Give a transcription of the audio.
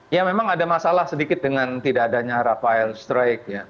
ya memang ada masalah sedikit dengan tidak adanya rafael strike ya